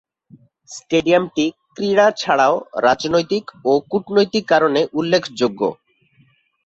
স্টেডিয়ামটি ক্রীড়া ছাড়াও রাজনৈতিক ও কূটনৈতিক কারণে উল্লেখযোগ্য।